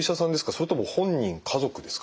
それとも本人・家族ですか？